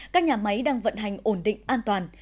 các nhà máy đang vận hành ổn định an toàn